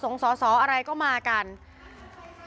คุณวราวุฒิศิลปะอาชาหัวหน้าภักดิ์ชาติไทยพัฒนา